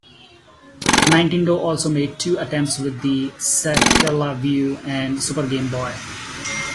Nintendo also made two attempts with the Satellaview and the Super Game Boy.